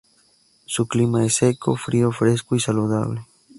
Su clima es seco, frío, fresco y saludable.